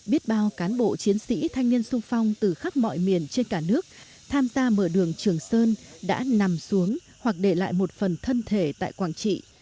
biết bao cán bộ chiến sĩ thanh niên sung phong từ khắp mọi miền trên cả nước tham gia mở đường trường sơn đã nằm xuống hoặc để lại một phần thân thể tại quảng trị